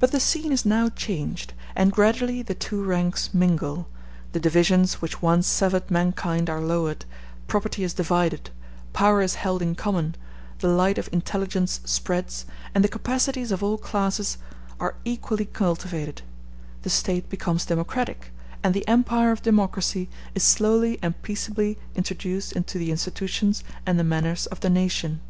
But the scene is now changed, and gradually the two ranks mingle; the divisions which once severed mankind are lowered, property is divided, power is held in common, the light of intelligence spreads, and the capacities of all classes are equally cultivated; the State becomes democratic, and the empire of democracy is slowly and peaceably introduced into the institutions and the manners of the nation.